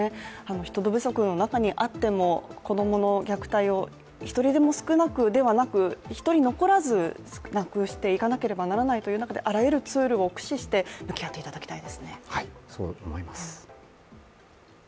人手不足の中にあっても、子供の虐待を一人でも少なく、ではなく１人残らずなくしていかなければならないという中で、あらゆるツールを駆使して向き合っていただきたいですね。